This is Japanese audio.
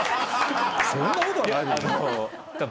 そんなことはないだろ。